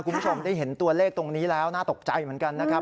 คุณผู้ชมได้เห็นตัวเลขตรงนี้แล้วน่าตกใจเหมือนกันนะครับ